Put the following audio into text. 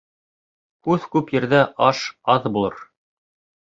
Һүҙ күп ерҙә аш аҙ булыр.